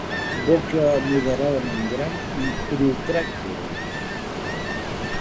Boca moderadament gran i protràctil.